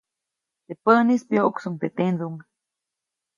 Teʼ päʼnis, pyoʼksuʼuŋ teʼ tendsuŋ.